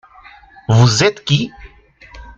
Vous êtes qui ?